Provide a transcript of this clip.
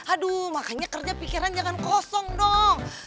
aduh makanya kerja pikiran jangan kosong dong